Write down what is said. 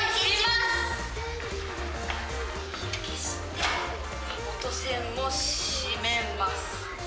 火を消して元栓も閉めます。